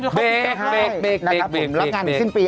เบคนะครับผมรับงานอีกสิ้นปี